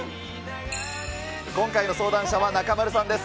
今回の相談者は中丸さんです。